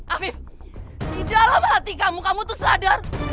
afif di dalam hati kamu kamu itu sadar